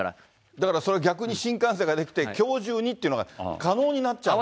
だからそれ、逆に新幹線が出来て、きょう中にというのが可能になっちゃうから。